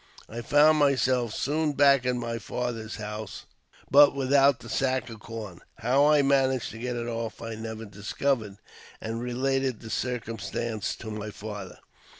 I found myself soon back at my father's house, but without the sack of corn — how I managed to get it off I never discovered — and related the circumstances to my father.